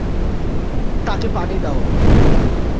তাকে পানি দাও।